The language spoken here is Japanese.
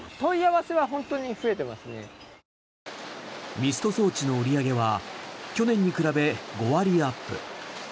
ミスト装置の売り上げは去年に比べ５割アップ。